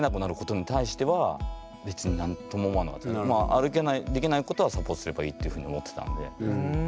歩けないできないことはサポートすればいいというふうに思ってたので。